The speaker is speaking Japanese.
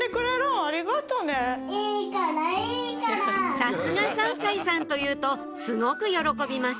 「さすが３歳さん」と言うとすごく喜びます